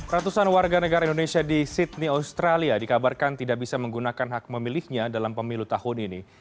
ratusan warga negara indonesia di sydney australia dikabarkan tidak bisa menggunakan hak memilihnya dalam pemilu tahun ini